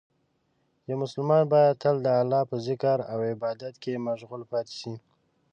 یو مسلمان باید تل د الله په ذکر او عبادت کې مشغول پاتې شي.